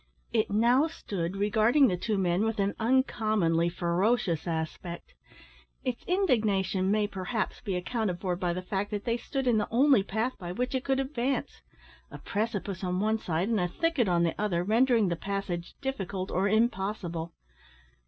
It now stood regarding the two men with an uncommonly ferocious aspect. Its indignation may, perhaps, be accounted for by the fact that they stood in the only path by which it could advance a precipice on one side and a thicket on the other rendering the passage difficult or impossible.